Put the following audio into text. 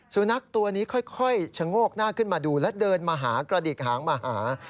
สุนัขตัวนี้ค่อยชะโงกหน้าขึ้นมาดูและเดินมาหากระดิกหางมาหา